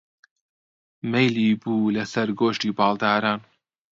مەیلی بوو لەسەر گۆشتی باڵداران